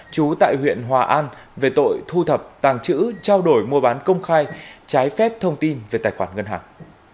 chú tại huyện hòa an về tội thu thập tàng chữ trao đổi mua bán công khai trái phép thông tin về tài khoản ngân hàng